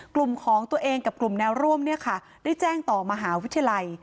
กลุ่มของตัวเองกับกลุ่มแนวร่วมได้แจ้งต่อมหาวิทยาลัย